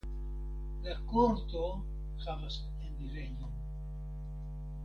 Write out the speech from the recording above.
La korto havas enirejon.